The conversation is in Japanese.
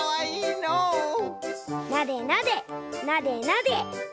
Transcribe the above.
なでなでなでなで。